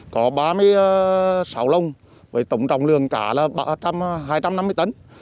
có ba mươi sáu lồng với tổng trọng lượng cá là hai trăm năm mươi tấn